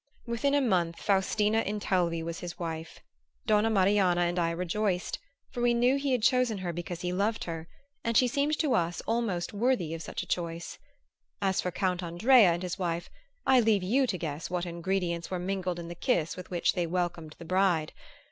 Within a month Faustina Intelvi was his wife. Donna Marianna and I rejoiced; for we knew he had chosen her because he loved her, and she seemed to us almost worthy of such a choice. As for Count Andrea and his wife, I leave you to guess what ingredients were mingled in the kiss with which they welcomed the bride.